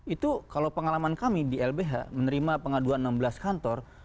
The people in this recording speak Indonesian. itu kalau pengalaman kami di lbh menerima pengaduan enam belas kantor